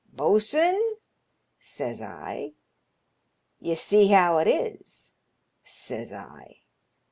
*Bo'sun,' says I, *ye see how it is,' says I.